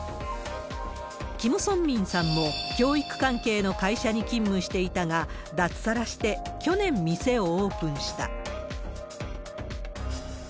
キム・ソンミンさんも、教育関係の会社に勤務していたが、脱サラして去年、店をオープンした。